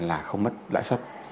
là không mất lãi suất